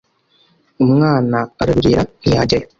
umwana ararorera ntiyajyayo